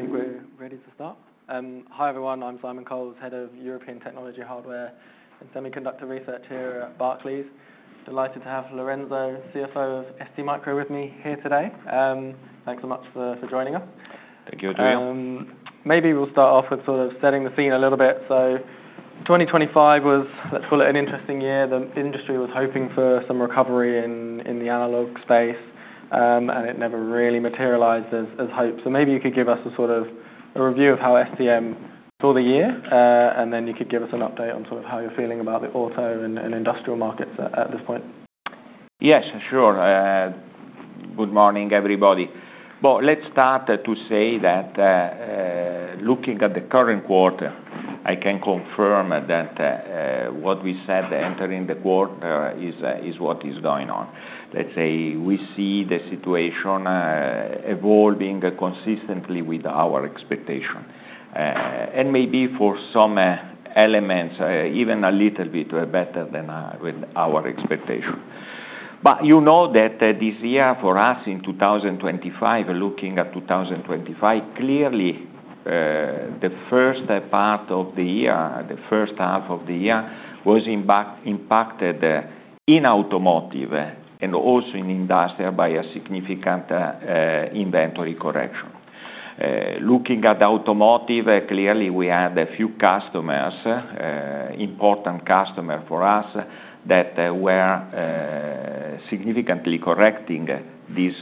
I think we're ready to start. Hi everyone. I'm Simon Coles, Head of European Technology Hardware and Semiconductor Research here at Barclays. Delighted to have Lorenzo, CFO of STMicro, with me here today. Thanks so much for joining us. Thank you, Adrian. Maybe we'll start off with sort of setting the scene a little bit. So 2025 was, let's call it, an interesting year. The industry was hoping for some recovery in the analog space, and it never really materialized as hoped. So maybe you could give us a sort of review of how STM saw the year, and then you could give us an update on sort of how you're feeling about the auto and industrial markets at this point. Yes, sure. Good morning, everybody. Let's start to say that, looking at the current quarter, I can confirm that what we said entering the quarter is what is going on. Let's say we see the situation evolving consistently with our expectation, and maybe for some elements, even a little bit better than our expectation. But you know that this year for us in 2025, looking at 2025, clearly the first part of the year, the first half of the year, was impacted in automotive and also in industry by a significant inventory correction. Looking at automotive, clearly we had a few customers, important customers for us, that were significantly correcting this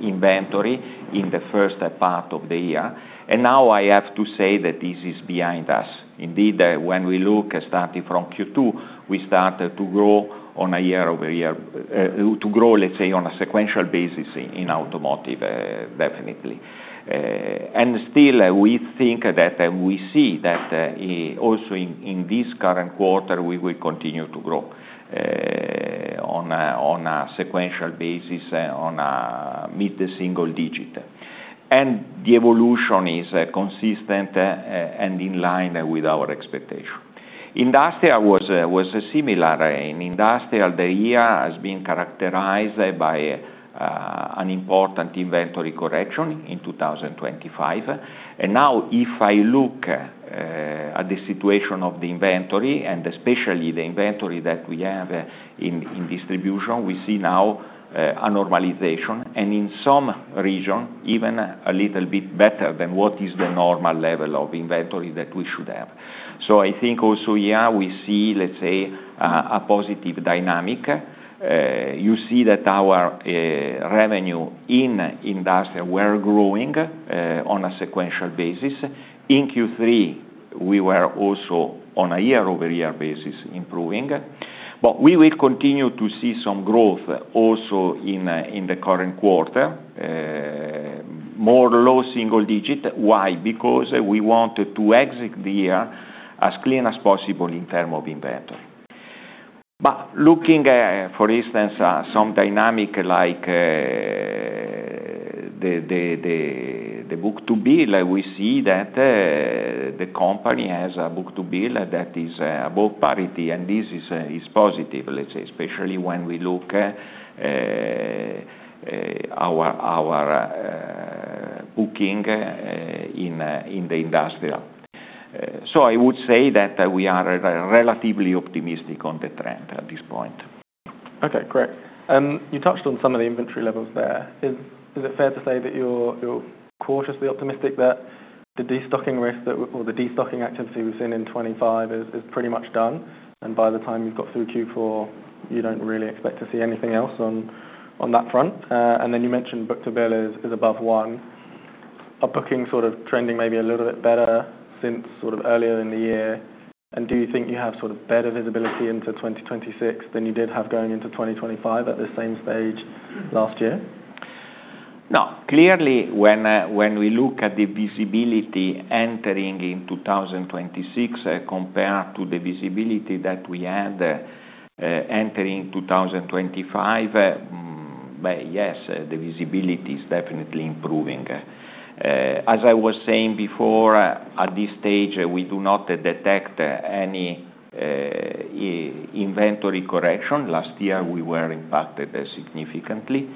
inventory in the first part of the year. And now I have to say that this is behind us. Indeed, when we look, starting from Q2, we started to grow on a year-over-year, let's say, on a sequential basis in automotive, definitely. And still we think that we see that, also in this current quarter we will continue to grow, on a sequential basis, on a mid-single digit. And the evolution is consistent and in line with our expectation. Industrial was similar. In Industrial, the year has been characterized by an important inventory correction in 2025. And now if I look at the situation of the inventory, and especially the inventory that we have in distribution, we see now a normalization and in some region even a little bit better than what is the normal level of inventory that we should have. So I think also here we see, let's say, a positive dynamic. You see that our revenue in industry were growing on a sequential basis. In Q3 we were also on a year-over-year basis improving. But we will continue to see some growth also in the current quarter, more low single digit. Why? Because we want to exit the year as clean as possible in terms of inventory. But looking, for instance, some dynamics like the book-to-bill, we see that the company has a book-to-bill that is above parity, and this is positive, let's say, especially when we look at our bookings in the industrial, so I would say that we are relatively optimistic on the trend at this point. Okay, great. You touched on some of the inventory levels there. Is it fair to say that you're cautiously optimistic that the destocking risk that, or the destocking activity we've seen in 2025 is pretty much done, and by the time you've got through Q4 you don't really expect to see anything else on that front, and then you mentioned book-to-bill is above one. Are bookings sort of trending maybe a little bit better since sort of earlier in the year? And do you think you have sort of better visibility into 2026 than you did have going into 2025 at the same stage last year? No, clearly when we look at the visibility entering in 2026 compared to the visibility that we had entering 2025, well, yes, the visibility is definitely improving. As I was saying before, at this stage we do not detect any inventory correction. Last year we were impacted significantly.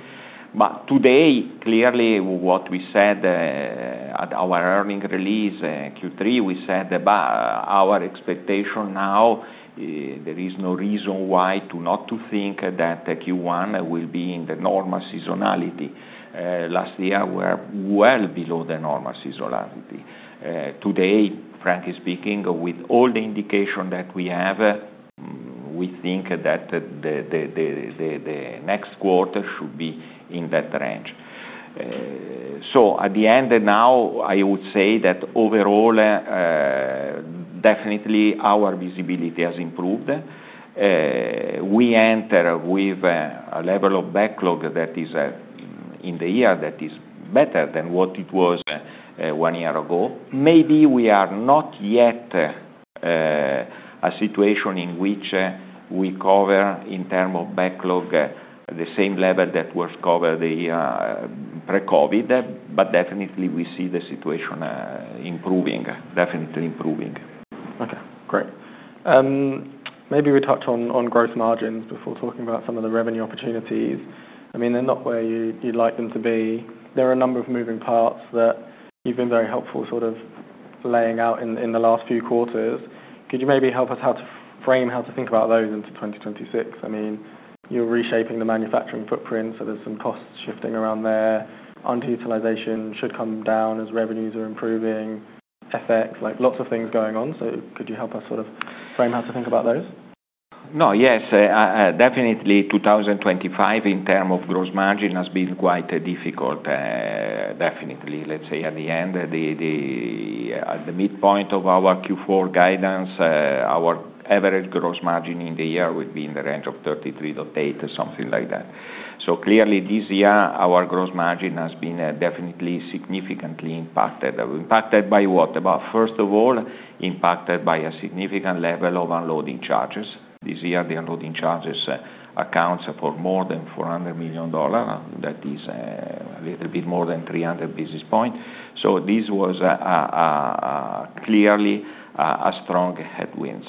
But today clearly what we said at our earnings release, Q3 we said about our expectation now, there is no reason why to not to think that Q1 will be in the normal seasonality. Last year we were well below the normal seasonality. Today, frankly speaking, with all the indications that we have, we think that the next quarter should be in that range. So at the end now I would say that overall, definitely our visibility has improved. We enter with a level of backlog that is, in the year, that is better than what it was one year ago. Maybe we are not yet in a situation in which we cover in terms of backlog the same level that was covered the year pre-COVID, but definitely we see the situation improving, definitely improving. Okay, great. Maybe we touch on growth margins before talking about some of the revenue opportunities. I mean, they're not where you'd like them to be. There are a number of moving parts that you've been very helpful sort of laying out in the last few quarters. Could you maybe help us how to frame how to think about those into 2026? I mean, you're reshaping the manufacturing footprint, so there's some costs shifting around there. Underutilization should come down as revenues are improving. FX, like lots of things going on. Could you help us sort of frame how to think about those? No, yes, definitely 2025 in terms of gross margin has been quite difficult, definitely. Let's say at the end, the midpoint of our Q4 guidance, our average gross margin in the year would be in the range of 33.8%, something like that. So clearly this year our gross margin has been definitely significantly impacted. Impacted by what? Well, first of all, impacted by a significant level of unloading charges. This year the unloading charges accounts for more than $400 million. That is, a little bit more than 300 basis points. So this was, clearly, a strong headwind.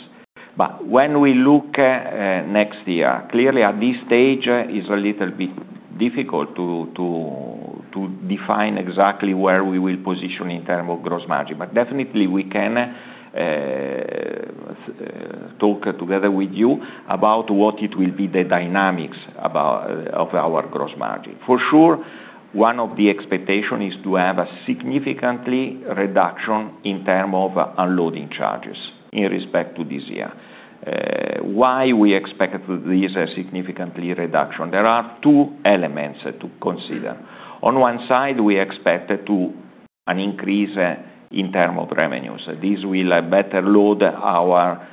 But when we look, next year, clearly at this stage it's a little bit difficult to define exactly where we will position in terms of gross margin. But definitely we can talk together with you about what it will be the dynamics about, of our gross margin. For sure, one of the expectations is to have a significant reduction in term of unloading charges in respect to this year. Why we expect this significant reduction? There are two elements to consider. On one side we expect to an increase in term of revenues. This will better load our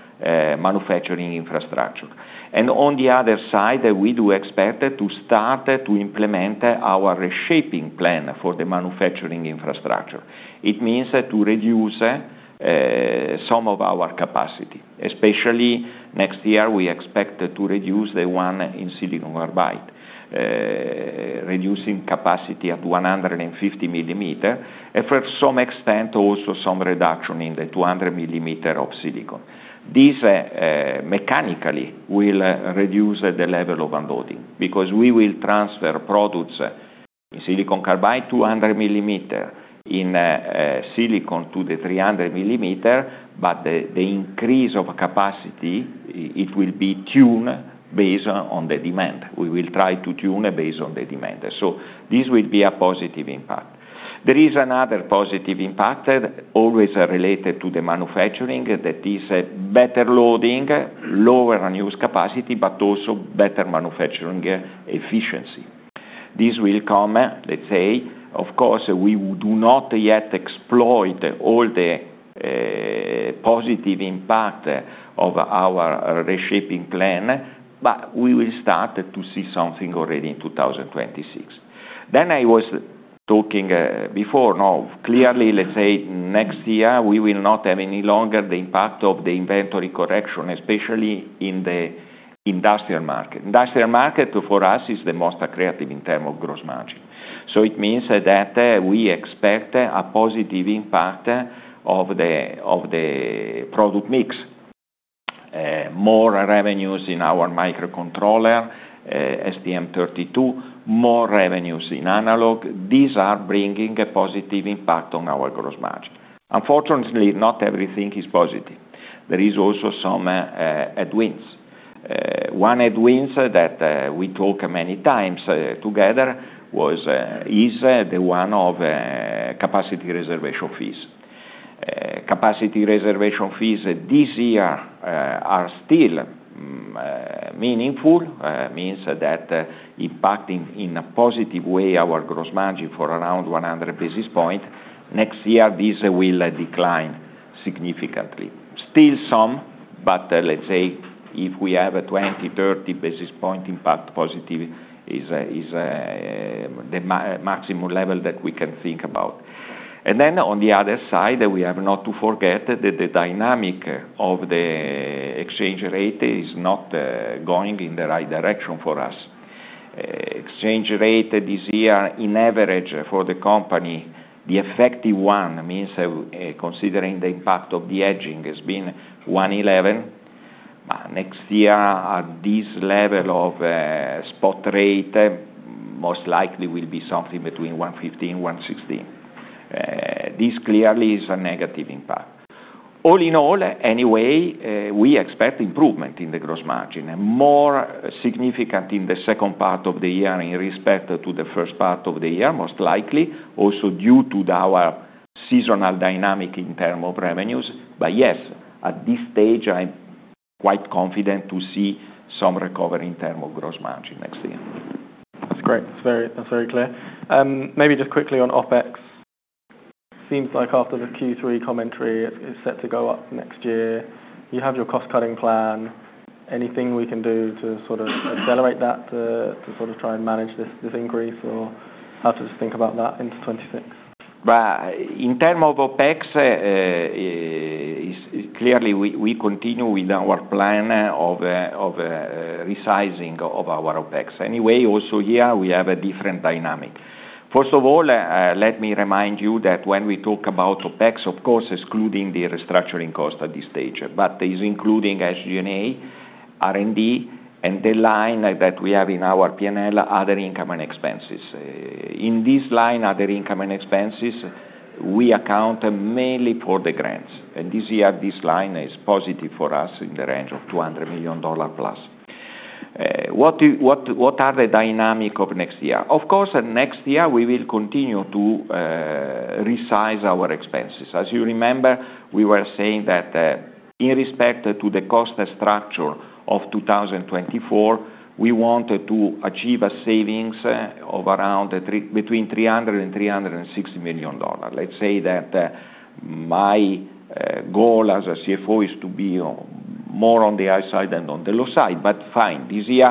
manufacturing infrastructure. And on the other side we do expect to start to implement our reshaping plan for the manufacturing infrastructure. It means to reduce some of our capacity. Especially next year we expect to reduce the one in silicon carbide, reducing capacity at 150 mm, and for some extent also some reduction in the 200 mm of silicon. This mechanically will reduce the level of unloading because we will transfer products in silicon carbide 200 mm in silicon to the 300 mm, but the increase of capacity it will be tuned based on the demand. We will try to tune based on the demand. So this will be a positive impact. There is another positive impact always related to the manufacturing that is better loading, lower unused capacity, but also better manufacturing efficiency. This will come, let's say, of course we do not yet exploit all the positive impact of our reshaping plan, but we will start to see something already in 2026. Then I was talking, before, no, clearly let's say next year we will not have any longer the impact of the inventory correction, especially in the industrial market. Industrial market for us is the most attractive in terms of gross margin. So it means that we expect a positive impact of the product mix. More revenues in our microcontroller, STM32, more revenues in analog. These are bringing a positive impact on our gross margin. Unfortunately, not everything is positive. There is also some headwinds. One headwind that we talked many times together is the one of capacity reservation fees. Capacity reservation fees this year are still meaningful, means that impacting in a positive way our gross margin for around 100 basis points. Next year this will decline significantly. Still some, but let's say if we have a 20-30 basis point impact positive is the maximum level that we can think about. And then on the other side we have not to forget that the dynamic of the exchange rate is not going in the right direction for us. Exchange rate this year in average for the company, the effective one means, considering the impact of the hedging has been 1.11, but next year at this level of spot rate most likely will be something between 1.15, 1.16. This clearly is a negative impact. All in all, anyway, we expect improvement in the gross margin, more significant in the second part of the year in respect to the first part of the year most likely, also due to our seasonal dynamics in terms of revenues. But yes, at this stage I'm quite confident to see some recovery in terms of gross margin next year. That's great. That's very, that's very clear. Maybe just quickly on OpEx. Seems like after the Q3 commentary is set to go up next year you have your cost cutting plan. Anything we can do to sort of accelerate that to sort of try and manage this increase or how to think about that into 2026? In terms of OpEx, it's clear we continue with our plan of resizing our OpEx. Anyway, also here we have a different dynamic. First of all, let me remind you that when we talk about OpEx, of course excluding the restructuring cost at this stage, but including SG&A, R&D, and the line that we have in our P&L, other income and expenses. In this line other income and expenses we account mainly for the grants. And this year this line is positive for us in the range of $200 million plus. What are the dynamics of next year? Of course next year we will continue to resize our expenses. As you remember we were saying that in respect to the cost structure of 2024 we wanted to achieve a savings of between $300 and $360 million. Let's say that my goal as a CFO is to be more on the high side than on the low side, but fine. This year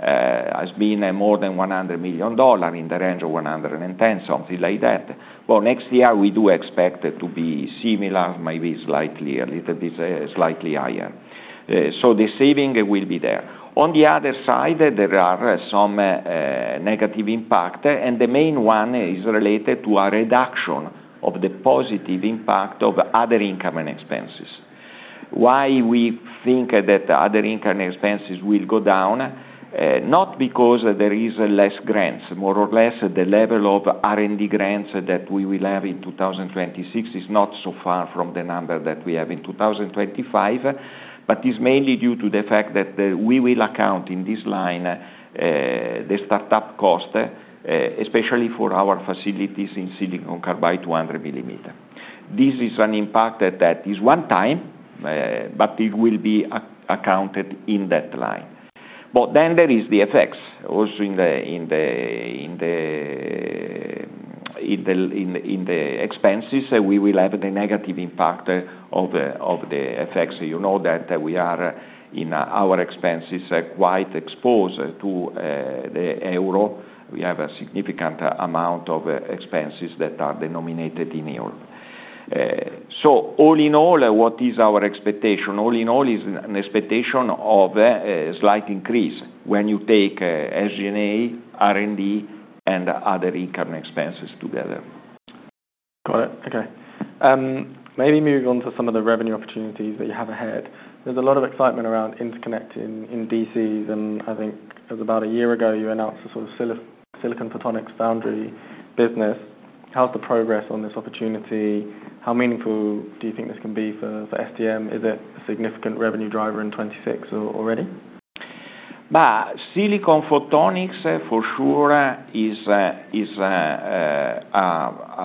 has been more than $100 million in the range of 110, something like that. Well, next year we do expect it to be similar, maybe slightly a little bit, slightly higher, so the saving will be there. On the other side there are some negative impact and the main one is related to a reduction of the positive impact of other income and expenses. Why we think that other income and expenses will go down? Not because there is less grants. More or less, the level of R&D grants that we will have in 2026 is not so far from the number that we have in 2025, but is mainly due to the fact that we will account in this line the startup cost, especially for our facilities in silicon carbide 200 mm. This is an impact that is one time, but it will be accounted in that line. But then there is the FX also in the expenses we will have the negative impact of the FX. You know that we are in our expenses quite exposed to the euro. We have a significant amount of expenses that are denominated in euro, so all in all, what is our expectation? All in all is an expectation of a slight increase when you take SG&A, R&D, and other income and expenses together. Got it. Okay. Maybe moving on to some of the revenue opportunities that you have ahead. There's a lot of excitement around interconnecting in DCs and I think it was about a year ago you announced a sort of silicon photonics foundry business. How's the progress on this opportunity? How meaningful do you think this can be for, for STM? Is it a significant revenue driver in 2026 or already? Silicon photonics for sure is a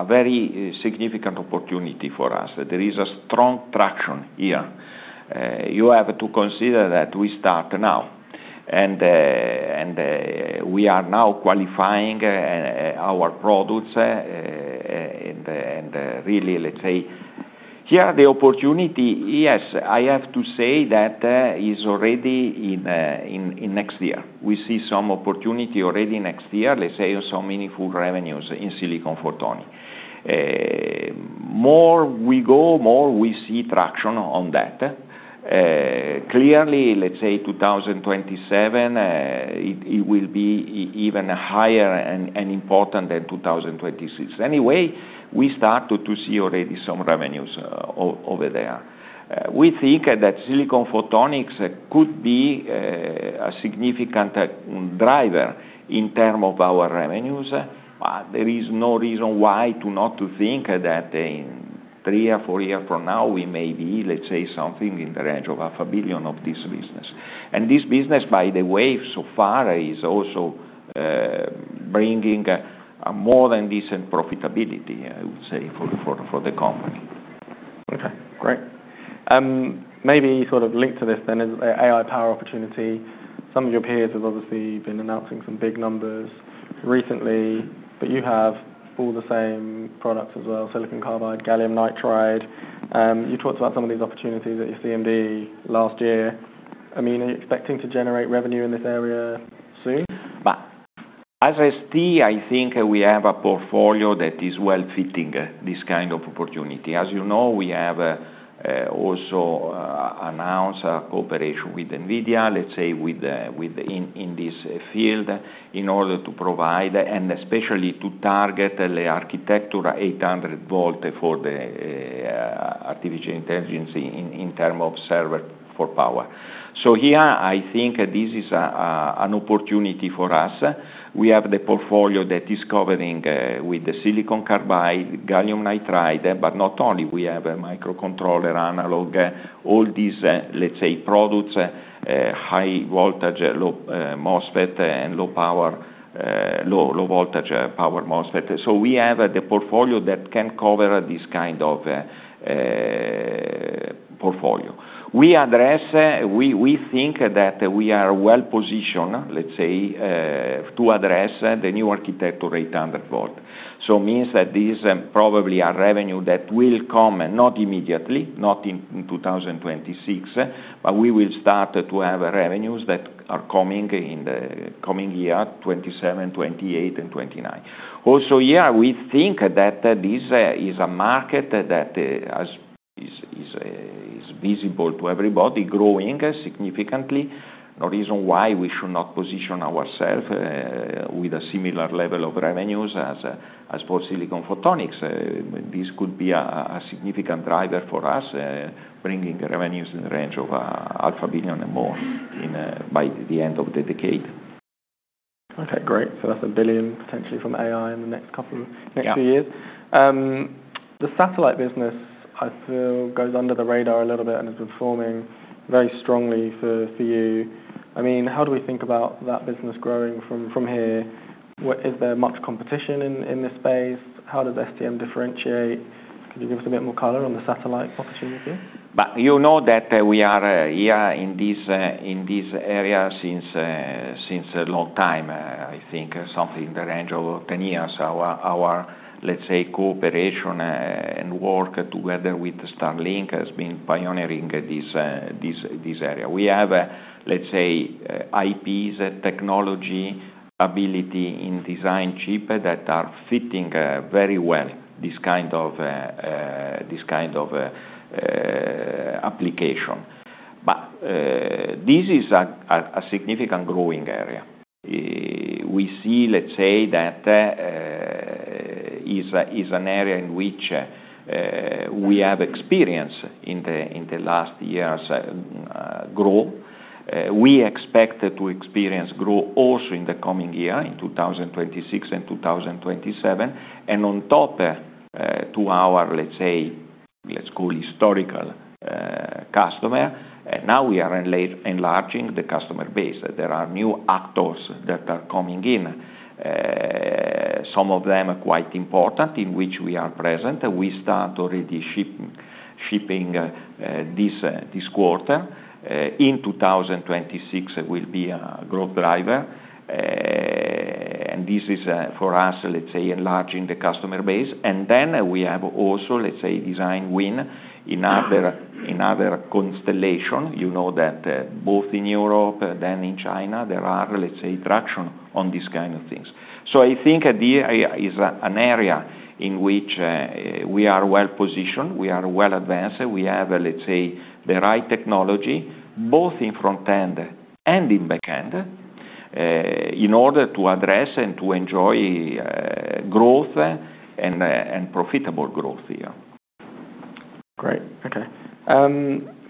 very significant opportunity for us. There is a strong traction here. You have to consider that we start now and we are now qualifying our products and really let's say here the opportunity. Yes, I have to say that is already in next year. We see some opportunity already next year, let's say some meaningful revenues in silicon photonics. More we go, more we see traction on that. Clearly, let's say 2027, it will be even higher and important than 2026. Anyway, we start to see already some revenues over there. We think that silicon photonics could be a significant driver in terms of our revenues, but there is no reason not to think that in three or four years from now we may be, let's say, something in the range of $500 million of this business. And this business, by the way, so far is also bringing more than decent profitability, I would say, for the company. Okay, great. Maybe sort of link to this then is the AI power opportunity. Some of your peers have obviously been announcing some big numbers recently, but you have all the same products as well: silicon carbide, gallium nitride. You talked about some of these opportunities at your CMD last year. I mean, are you expecting to generate revenue in this area soon? As I see, I think we have a portfolio that is well fitting this kind of opportunity. As you know, we have also announced a cooperation with NVIDIA, let's say, within this field in order to provide and especially to target the 800 volt architecture for artificial intelligence in terms of servers for power. So here I think this is an opportunity for us. We have the portfolio that is covering with the silicon carbide, gallium nitride, but not only. We have a microcontroller, analog, all these, let's say, products, high voltage low MOSFET, and low power low voltage power MOSFET. So we have the portfolio that can cover this kind of portfolio. We think that we are well positioned, let's say, to address the new 800 volt architecture. So it means that this probably a revenue that will come not immediately, not in 2026, but we will start to have revenues that are coming in the coming year 2027, 2028, and 2029. Also here we think that this is a market that as is visible to everybody, growing significantly. No reason why we should not position ourselves with a similar level of revenues as for silicon photonics. This could be a significant driver for us, bringing revenues in the range of $500 million and more in by the end of the decade. Okay, great. So that's a billion potentially from AI in the next couple of, next few years. Yeah. The satellite business I feel goes under the radar a little bit and has been forming very strongly for you. I mean, how do we think about that business growing from here? What is there much competition in this space? How does STM differentiate? Could you give us a bit more color on the satellite opportunity? You know that we are here in this area since a long time. I think something in the range of 10 years. Our cooperation and work together with Starlink has been pioneering this area. We have IPs, technology ability in design chip that are fitting very well this kind of application. But this is a significant growing area. We see that it is an area in which we have experience in the last years growth. We expect to experience growth also in the coming year in 2026 and 2027. On top of our historical customer, now we are enlarging the customer base. There are new actors that are coming in, some of them quite important in which we are present. We start already shipping this quarter. In 2026 will be a growth driver and this is, for us, let's say, enlarging the customer base. And then we have also, let's say, design win in other constellation. You know that both in Europe and then in China there are, let's say, traction on this kind of things. So I think it is an area in which we are well positioned. We are well advanced. We have, let's say, the right technology both in front end and in back end in order to address and to enjoy growth and profitable growth here. Great. Okay.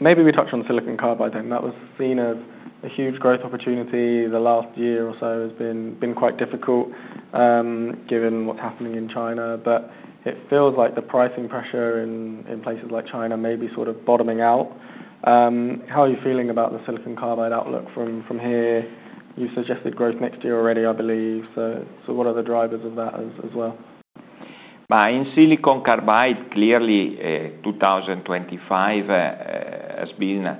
Maybe we touch on silicon carbide then. That was seen as a huge growth opportunity the last year or so has been quite difficult, given what's happening in China. But it feels like the pricing pressure in places like China may be sort of bottoming out. How are you feeling about the silicon carbide outlook from here? You suggested growth next year already, I believe. So what are the drivers of that as well? In silicon carbide clearly, 2025 has been,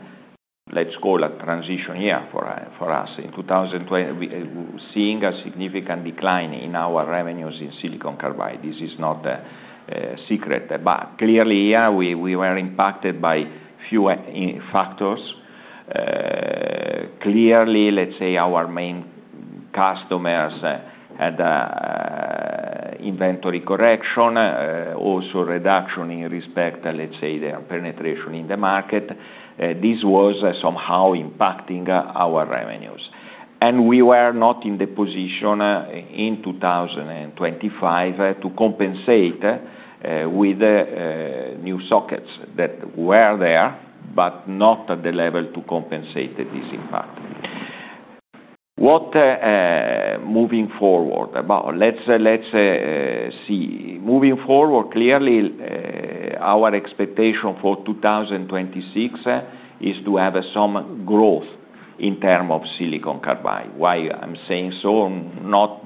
let's call a transition year for us. In 2024, we're seeing a significant decline in our revenues in silicon carbide. This is not a secret. But clearly here we were impacted by few factors. Clearly, let's say, our main customers had inventory correction, also reduction in respect, let's say, their penetration in the market. This was somehow impacting our revenues. And we were not in the position in 2025 to compensate with new sockets that were there but not at the level to compensate this impact. Moving forward clearly, our expectation for 2026 is to have some growth in terms of silicon carbide. Why I'm saying so? Not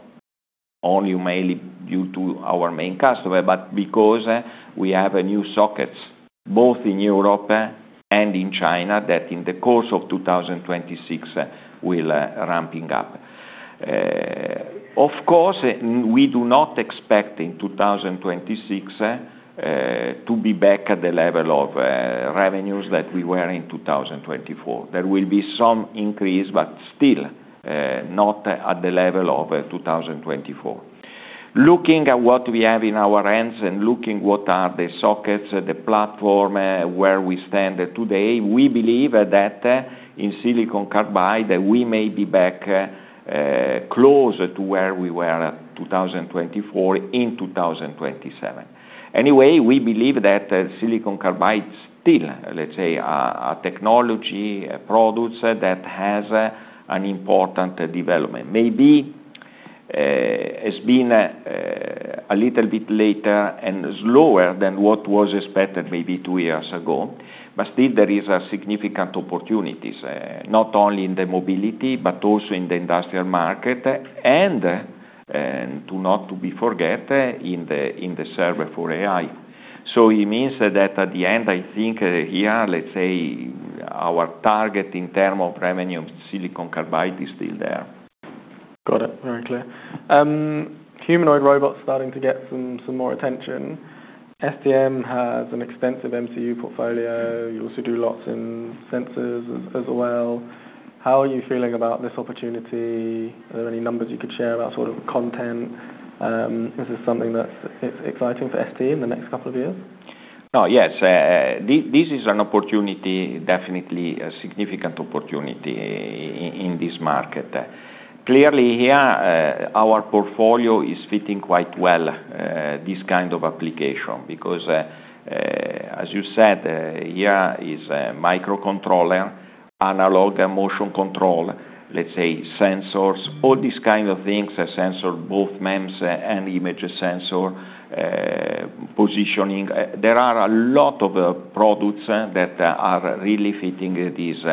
only mainly due to our main customer, but because we have new sockets both in Europe and in China that in the course of 2026 will ramp up. Of course we do not expect in 2026 to be back at the level of revenues that we were in 2024. There will be some increase but still not at the level of 2024. Looking at what we have in our hands and looking what are the sockets, the platform, where we stand today, we believe that in silicon carbide we may be back close to where we were 2024 in 2027. Anyway, we believe that silicon carbide still, let's say, a technology, a product that has an important development. Maybe has been a little bit later and slower than what was expected maybe two years ago. Still there is a significant opportunities, not only in the mobility but also in the industrial market and not to be forgotten, in the server for AI. So it means that at the end I think here, let's say, our target in terms of revenue of silicon carbide is still there. Got it. Very clear. Humanoid robots starting to get some more attention. STM has an extensive MCU portfolio. You also do lots in sensors as well. How are you feeling about this opportunity? Are there any numbers you could share about sort of content? Is this something that's exciting for STM in the next couple of years? Oh, yes. This, this is an opportunity, definitely a significant opportunity in, in this market. Clearly here, our portfolio is fitting quite well, this kind of application because, as you said, here is a microcontroller, analog motion control, let's say sensors, all these kind of things, sensor both MEMS and image sensor, positioning. There are a lot of products that are really fitting this,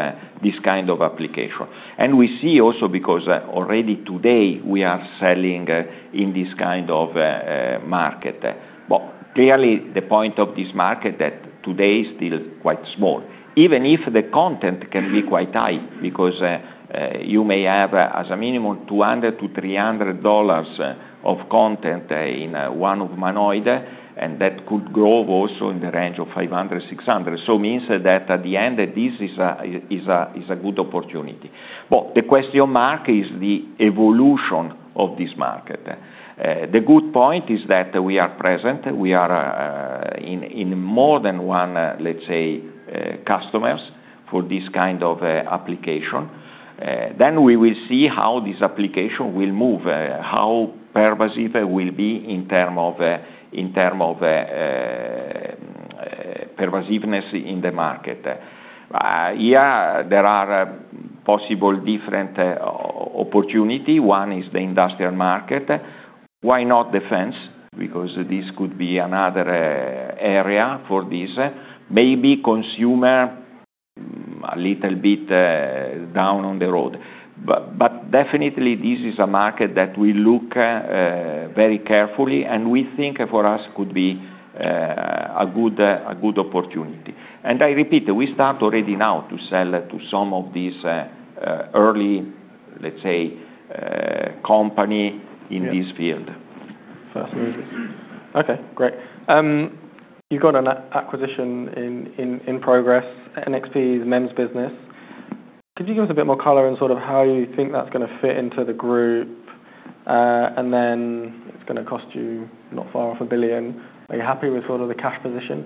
this kind of application. And we see also because already today we are selling in this kind of, market. But clearly the point of this market that today is still quite small. Even if the content can be quite high because, you may have as a minimum $200-$300 of content in one humanoid and that could grow also in the range of $500-$600. So it means that at the end this is a, is a, is a good opportunity. But the question mark is the evolution of this market. The good point is that we are present. We are in more than one, let's say, customers for this kind of application. Then we will see how this application will move, how pervasive it will be in terms of pervasiveness in the market. Here there are possible different opportunity. One is the industrial market. Why not defense? Because this could be another area for this. Maybe consumer a little bit down the road, but definitely this is a market that we look very carefully and we think for us could be a good opportunity, and I repeat, we start already now to sell to some of these early, let's say, company in this field. Fascinating. Okay, great. You've got an acquisition in progress, NXP's MEMS business. Could you give us a bit more color on sort of how you think that's going to fit into the group, and then it's going to cost you not far off $1 billion? Are you happy with sort of the cash position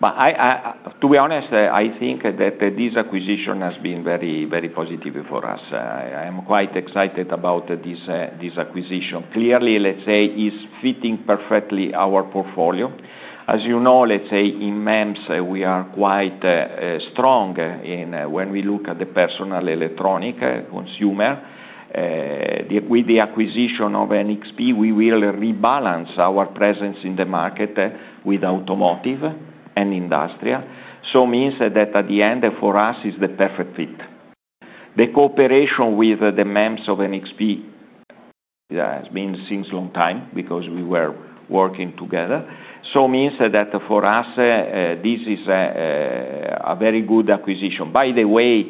post-acquisition? To be honest, I think that this acquisition has been very, very positive for us. I am quite excited about this acquisition. Clearly, let's say, is fitting perfectly our portfolio. As you know, let's say, in MEMS we are quite strong in when we look at the personal electronic consumer. With the acquisition of NXP we will rebalance our presence in the market with automotive and industrial. So it means that at the end for us is the perfect fit. The cooperation with the MEMS of NXP has been since a long time because we were working together. So it means that for us, this is a very good acquisition. By the way,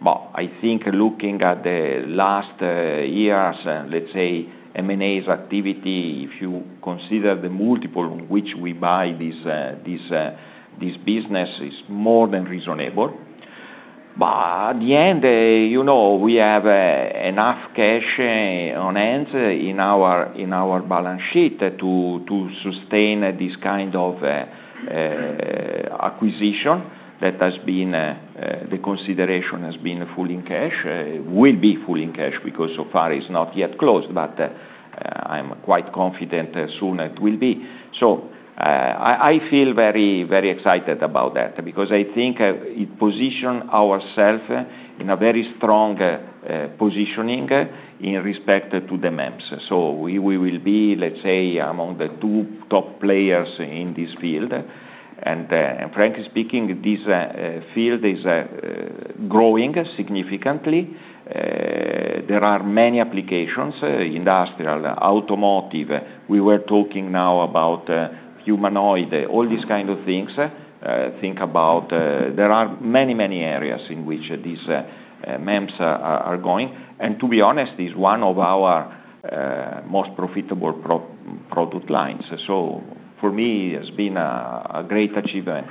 well, I think looking at the last years, let's say, M&A activity, if you consider the multiple in which we buy this business is more than reasonable. But at the end, you know, we have enough cash on hand in our balance sheet to sustain this kind of acquisition. The consideration has been fully in cash. It will be fully in cash because so far it's not yet closed. But I'm quite confident soon it will be. So I feel very, very excited about that because I think it positioned ourselves in a very strong positioning in respect to the MEMS. So we will be, let's say, among the two top players in this field. And frankly speaking, this field is growing significantly. There are many applications: industrial, automotive. We were talking now about humanoid robots, all these kind of things. There are many, many areas in which these MEMS are going. And to be honest, it's one of our most profitable product lines. For me it has been a great achievement.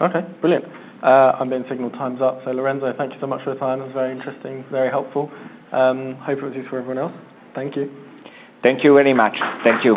Okay. Brilliant. I'm being signaled time's up. So Lorenzo, thank you so much for your time. It was very interesting, very helpful. Hope it was useful for everyone else. Thank you. Thank you very much. Thank you.